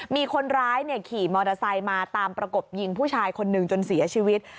มีคนร้ายขี่มอเตอร์ไซค์มาตามประกบยิงผู้ชายคนหนึ่งจนเสียชีวิต